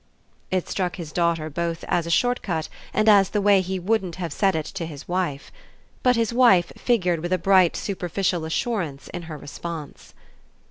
It struck his daughter both as a short cut and as the way he wouldn't have said it to his wife. But his wife figured with a bright superficial assurance in her response.